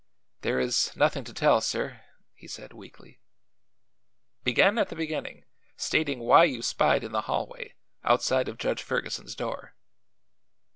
"There is nothing to tell, sir," he said weakly. "Begin at the beginning, stating why you spied in the hallway, outside of Judge Ferguson's door."